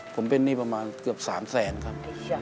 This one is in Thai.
ผมเป็นหนี้ประมาณเกือบ๓แสนครับ